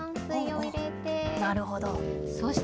なるほど。